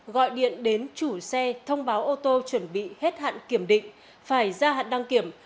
gọi điện đến chủ xe thông báo ô tô chuẩn bị hết hạn kiểm định phải ra hạn đăng kiểm